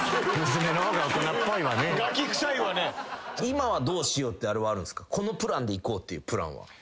今はどうしようってあるんですかこのプランでいこうってプランは。